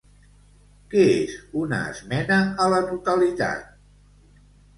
Què és una esmena a la totalitat?